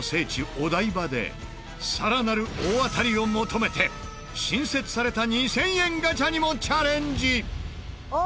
お台場で更なる大当たりを求めて新設された２０００円ガチャにもチャレンジ。